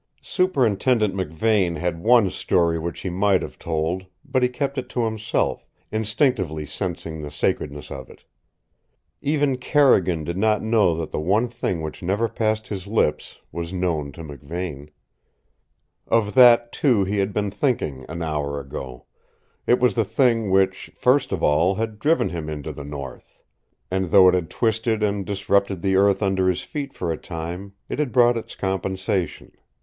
Superintendent Me Vane had one story which he might have told, but he kept it to himself, instinctively sensing the sacredness of it. Even Carrigan did not know that the one thing which never passed his lips was known to McVane. Of that, too, he had been thinking an hour ago. It was the thing which, first of all, had driven him into the north. And though it had twisted and disrupted the earth under his feet for a time, it had brought its compensation.